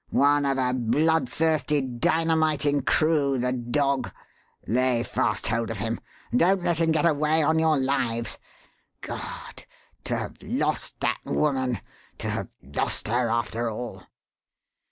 One of a bloodthirsty, dynamiting crew, the dog! Lay fast hold of him! don't let him get away on your lives! God! to have lost that woman! to have lost her after all!"